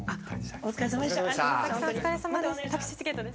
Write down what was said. お疲れさまです。